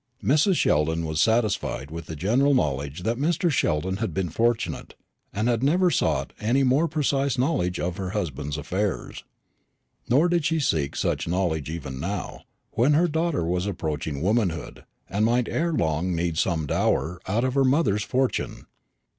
Mrs. Sheldon was satisfied with the general knowledge that Mr. Sheldon had been fortunate, and had never sought any more precise knowledge of her husband's affairs. Nor did she seek such knowledge even now, when her daughter was approaching womanhood, and might ere long need some dower out of her mother's fortune.